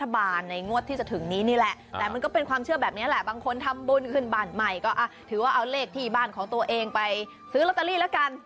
บางคนทำบุญขึ้นบันใหม่ก็ถือว่าเอาเลขที่บ้านของตัวเองไปซื้อลอตเตอรี่แล้วกัน